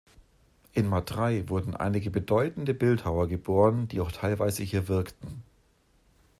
In Matrei wurden einige bedeutende Bildhauer geboren, die auch teilweise hier wirkten.